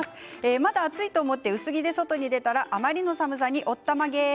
まだ暑いと思って薄着で外に出たらあまりの寒さにおったまげ！